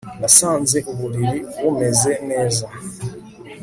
Nasanze uburiri bumeze neza